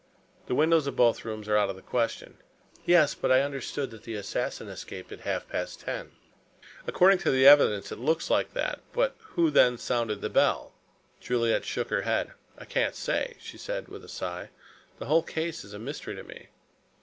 The windows of both rooms are out of the question." "Yes. But I understood that the assassin escaped at half past ten." "According to the evidence it looks like that. But who then sounded the bell?" Juliet shook her head. "I can't say," she said with a sigh. "The whole case is a mystery to me."